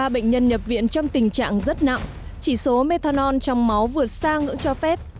ba bệnh nhân nhập viện trong tình trạng rất nặng chỉ số methanol trong máu vượt xa ngưỡng cho phép